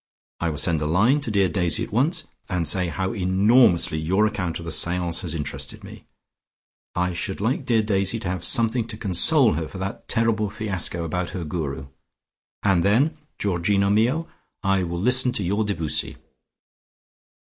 I will send a line to dear Daisy at once, and say how enormously your account of the seance has interested me. I should like dear Daisy to have something to console her for that terrible fiasco about her Guru. And then, Georgino mio, I will listen to your Debussy.